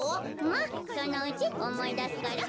まっそのうちおもいだすから。